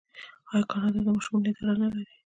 آیا کاناډا د ماشومانو اداره نلري؟